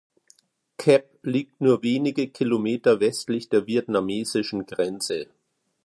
Kep liegt nur wenige Kilometer westlich der vietnamesischen Grenze.